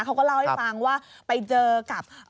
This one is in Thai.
เขาก็เล่าให้ฟังว่าไปเจอกับ